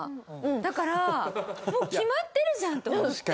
だからもう決まってるじゃん！って思って。